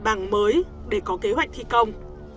bằng mới để có kế hoạch thi công